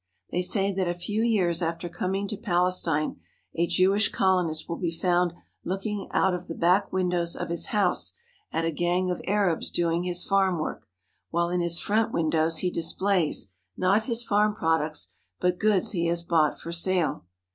They say that a few years after coming to Palestine a Jewish colonist will be found looking out of the back windows of his house at a gang of Arabs doing his farm work, while in his front windows he displays, not his farm products, but goods he has bought for sale.